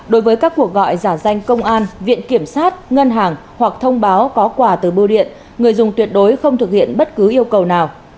đối với các cuộc gọi giả danh công an viện kiểm sát ngân hàng hoặc thông báo có quà từ bưu điện người dùng tuyệt đối không thực hiện bất cứ yêu cầu nào